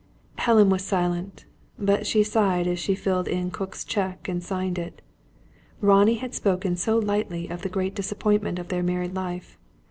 Helen was silent; but she sighed as she filled in Cook's cheque and signed it. Ronald had spoken so lightly of the great disappointment of their married life.